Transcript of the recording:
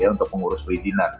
untuk mengurus perizinan